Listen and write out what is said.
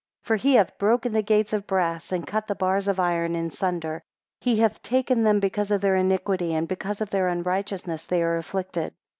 8 For he hath broken the gates of brass, and cut the bars of iron in sunder. He hath taken them because of their iniquity, and because of their unrighteousness they are afflicted.